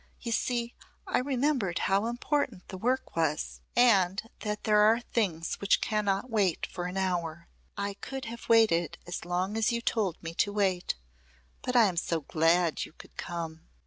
"You see, I remembered how important the work was and that there are things which cannot wait for an hour. I could have waited as long as you told me to wait. But I am so glad you could come!"